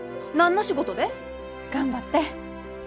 何の仕事で？頑張って。